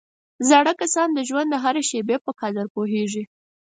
زاړه کسان د ژوند هره شېبه په قدر پوهېږي